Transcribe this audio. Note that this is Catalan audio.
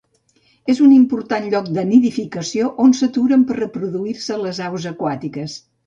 És un important lloc de nidificació on s'aturen per reproduir-se les aus aquàtiques.